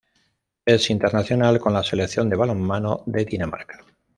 Es internacional con la selección de balonmano de Dinamarca.